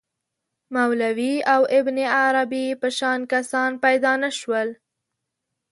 مولوی او ابن عربي په شان کسان پیدا نه شول.